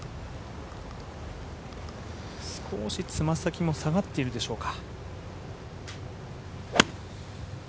少しつま先も下がっているでしょうか。